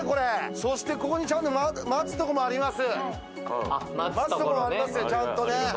そして、ここにちゃんと待つところあります。